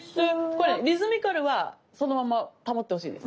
これリズミカルはそのまま保ってほしいんです。